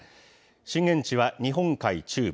震源地は日本海中部。